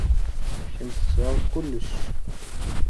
Kemm tesɛiḍ kullec.